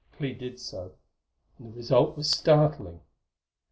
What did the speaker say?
Clee did so, and the result was startling.